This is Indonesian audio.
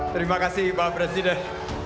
terima kasih pak presiden